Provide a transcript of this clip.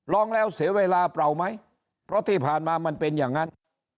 ร้องแล้วเสียเวลาเปล่าไหมเพราะที่ผ่านมามันเป็นอย่างนั้น